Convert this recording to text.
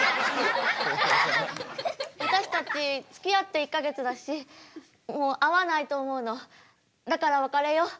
私たちつきあって１か月だし合わないと思うのだから別れよう。